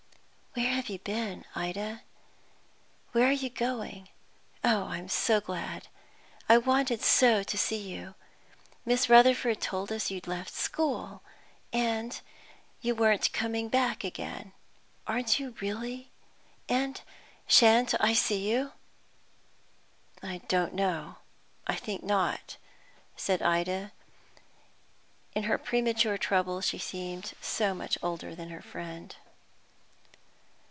"Where have you been, Ida? Where are you going? Oh, I'm so glad; I wanted so to see you. Miss Rutherford told us you'd left school, and you weren't coming back again. Aren't you really? And sha'n't I see you?" "I don't know, I think not," said Ida. In her premature trouble she seemed so much older than her friend.